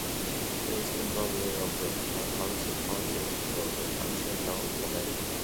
The eastern boundary of the township passes through the center of the lake.